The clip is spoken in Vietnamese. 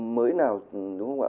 mới nào đúng không ạ